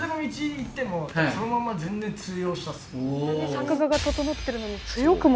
「作画が整ってるのに強くもある」